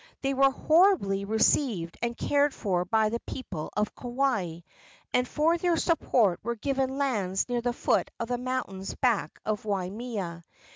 They were hospitably received and cared for by the people of Kauai, and for their support were given lands near the foot of the mountains back of Waimea.